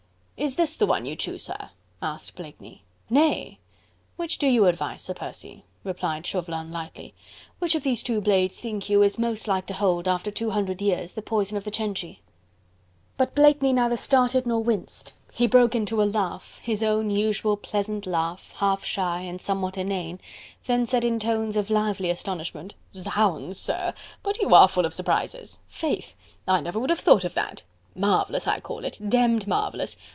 "Is this the one you choose, sir?" asked Blakeney. "Nay! which do you advise, Sir Percy," replied Chauvelin lightly. "Which of those two blades think you is most like to hold after two hundred years the poison of the Cenci?" But Blakeney neither started nor winced. He broke into a laugh, his own usual pleasant laugh, half shy and somewhat inane, then said in tones of lively astonishment: "Zounds! sir, but you are full of surprises.... Faith! I never would have thought of that....Marvellous, I call it... demmed marvellous....